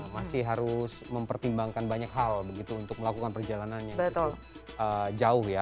masih harus mempertimbangkan banyak hal begitu untuk melakukan perjalanan yang jauh ya